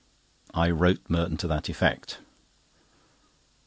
I wrote Merton to that effect.